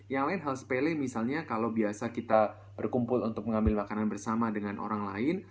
yang lain hal sepele misalnya kalau biasa kita berkumpul untuk mengambil makanan bersama dengan orang lain